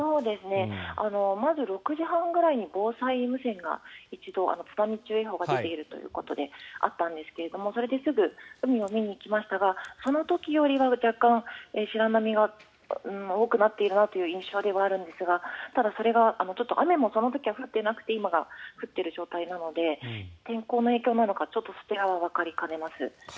まず６時半ぐらいに防災無線が一度津波注意報が出ているということであったんですがそれですぐに海を見に行きましたがその時よりは若干、白波が多くなっているなという印象ではあるんですがただ、それがちょっと雨もその時は降っていなくて今、降っている状態なので天候の影響なのかちょっとそちらはわかりかねます。